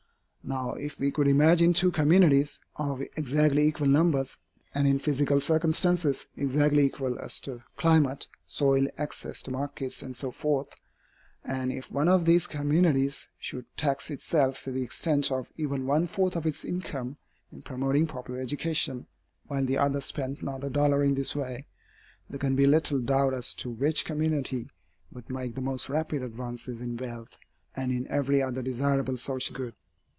Now if we could imagine two communities, of exactly equal numbers, and in physical circumstances exactly equal as to climate, soil, access to markets, and so forth, and if one of these communities should tax itself to the extent of even one fourth of its income in promoting popular education, while the other spent not a dollar in this way, there can be little doubt as to which community would make the most rapid advances in wealth and in every other desirable social good.